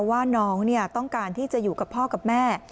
ว่าน้องต้องการที่จะอยู่กับพ่อกับแม่